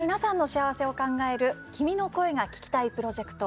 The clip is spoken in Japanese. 子どもや若者の皆さんの幸せを考える「君の声が聴きたい」プロジェクト。